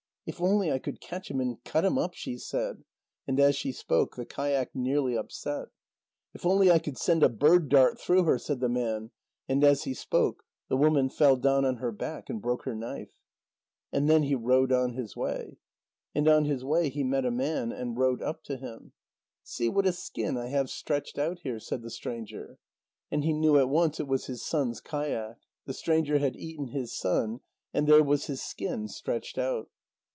"If only I could catch him, and cut him up," she said. And as she spoke, the kayak nearly upset. "If only I could send a bird dart through her," said the man. And as he spoke, the woman fell down on her back and broke her knife. And then he rowed on his way. And on his way he met a man, and rowed up to him. "See what a skin I have stretched out here," said the stranger. And he knew at once it was his son's kayak. The stranger had eaten his son, and there was his skin stretched out.